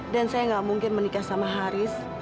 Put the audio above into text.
dan saya nggak mungkin menikah sama haris